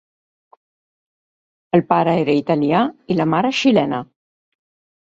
El pare era italià i la mare xilena.